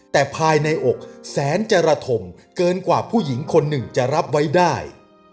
แต่ภายในอกแสนจรฐมเกินกว่าผู้หญิงคนหนึ่งจะรับไว้ได้